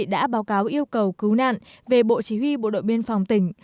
đơn vị đã báo cáo yêu cầu cứu nạn về bộ chí huy bộ đội biên phòng tỉnh